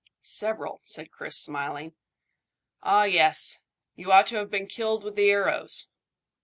"Several," said Chris, smiling. "Ah! Yes! You ought to have been killed with the arrows."